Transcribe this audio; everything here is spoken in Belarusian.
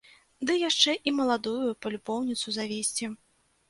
Ды яшчэ і маладую палюбоўніцу завесці.